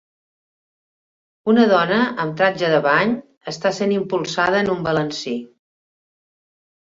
Una dona amb tratge de bany està sent impulsada en un balancí.